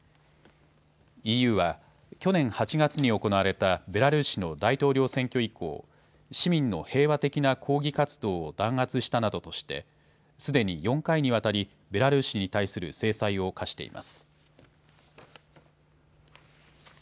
ＥＵは去年８月に行われたベラルーシの大統領選挙以降、市民の平和的な抗議活動を弾圧したなどとしてすでに４回にわたりベラルーシに対する制裁を科しています。